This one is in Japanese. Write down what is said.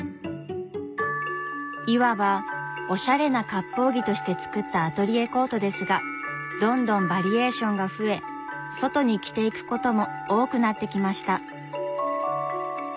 いわばおしゃれなかっぽう着として作ったアトリエコートですがどんどんバリエーションが増え外に着ていくことも多くなってきました。